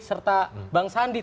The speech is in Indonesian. serta bang sandi